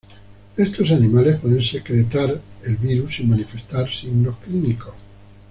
Estos animales pueden secretar el virus sin manifestar signos clínicos.